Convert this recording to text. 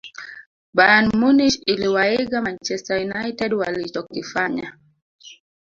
bayern munich iliwaiga manchester united walichokifanya